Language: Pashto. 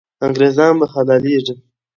انګریزان به حلالېږي.